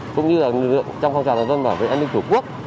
cũng như là lực lượng trong phong trào dân dân bảo vệ an ninh của quốc